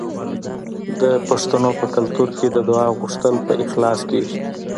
د پښتنو په کلتور کې د دعا غوښتل په اخلاص کیږي.